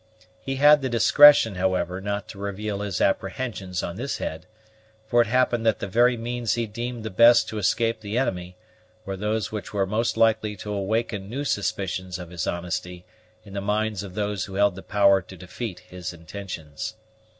He had the discretion, however, not to reveal his apprehensions on this head; for it happened that the very means he deemed the best to escape the enemy were those which would be most likely to awaken new suspicions of his honesty in the minds of those who held the power to defeat his intentions.